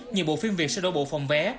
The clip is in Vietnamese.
nhiều bộ phim việt sẽ đổ bộ phòng vé